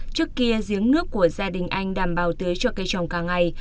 trước kia giếng nước của gia đình anh đảm bảo tưới cho cây trồng cả ngày